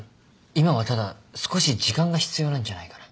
今はただ少し時間が必要なんじゃないかな。